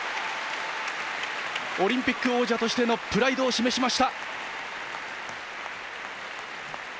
オリンピック王者としてのプライドを示しました。